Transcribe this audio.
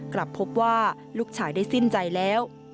กลับพบว่าลูกชายได้สิ้นใจแล้ว